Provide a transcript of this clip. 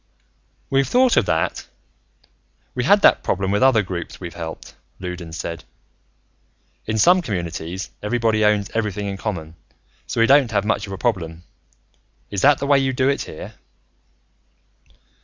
"We've thought of that. We had that problem with other groups we've helped," Loudons said. "In some communities, everybody owns everything in common and so we don't have much of a problem. Is that the way you do it, here?"